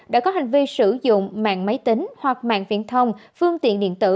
đã có hành vi sử dụng mạng máy tính hoặc mạng viễn thông phương tiện điện tử